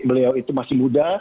beliau itu masih muda